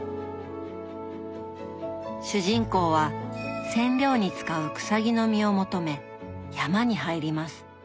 主人公は染料に使う「くさぎの実」を求め山に入ります。